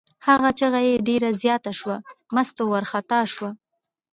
هغه چغه یې ډېره زیاته شوه، مستو وارخطا شوه.